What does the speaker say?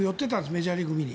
メジャーリーグを見に。